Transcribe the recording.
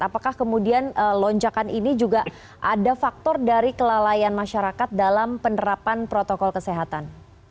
apakah kemudian lonjakan ini juga ada faktor dari kelalaian masyarakat dalam penerapan protokol kesehatan